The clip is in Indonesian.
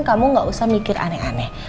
kamu gak usah mikir aneh aneh